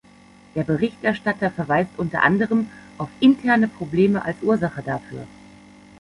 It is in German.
Der Berichterstatter verweist unter anderem auf "interne Probleme" als Ursache dafür.